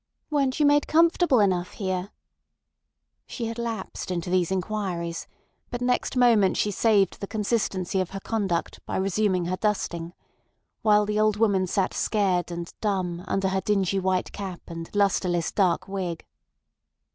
"Weren't you made comfortable enough here?" She had lapsed into these inquiries, but next moment she saved the consistency of her conduct by resuming her dusting, while the old woman sat scared and dumb under her dingy white cap and lustreless dark wig.